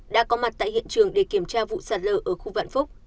đã có mặt tại hiện trường để kiểm tra vụ sạt lở ở khu vạn phúc